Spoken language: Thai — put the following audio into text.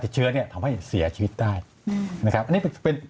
เชื้อเนี่ยทำให้เสียชีวิตได้นะครับอันนี้เป็นเป็น